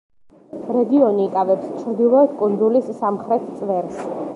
რეგიონი იკავებს ჩრდილოეთ კუნძულის სამხრეთ წვერს.